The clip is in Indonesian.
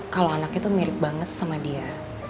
kalau anak itu mirip banget sama dia